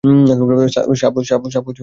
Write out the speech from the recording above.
সাপ বিপজ্জনক, স্যার।